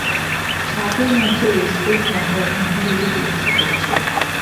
সাতই মার্চের রেসকোর্স মাঠে এখন ফিরে যেতে ইচ্ছে করছে।